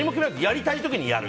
やりたい時にやる。